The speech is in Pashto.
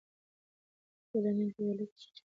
سیلانیان په ویاله کې کښتۍ چلوي.